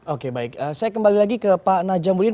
oke baik saya kembali lagi ke pak najamudin